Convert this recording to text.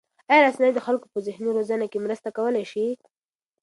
آیا رسنۍ د خلکو په ذهني روزنه کې مرسته کولای شي؟